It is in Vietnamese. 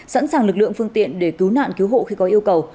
sẵn sàng lực lượng phương tiện để cứu nạn cứu hộ khi có yêu cầu